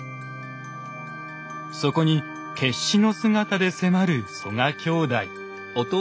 そこに決死の姿で迫る曽我兄弟。